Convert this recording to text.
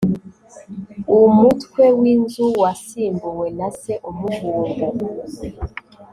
umutwe w'inzu wasimbuwe na se umuhungu